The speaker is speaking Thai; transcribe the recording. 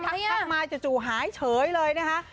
เถอะมาจูหายเฉยเลยนะ